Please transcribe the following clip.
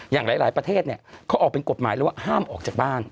อย่างหลายประเทศเนี่ยเขาออกเป็นกฎหมายเลยว่าห้ามออกจากบ้าน